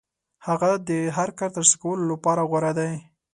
هغه د هر کار ترسره کولو لپاره غوره دی.